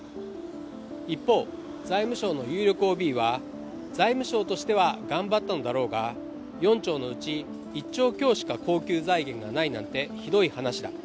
一方、財務省の有力ＯＢは財務省としては頑張ったのだろうが４兆のうち１兆強しか恒久財源がないなんてひどい話だ。